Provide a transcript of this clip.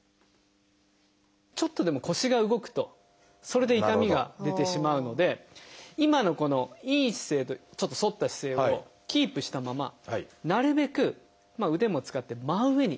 ちょっとでも腰が動くとそれで痛みが出てしまうので今のこのいい姿勢とちょっと反った姿勢をキープしたままなるべく腕も使って真上に立ち上がります。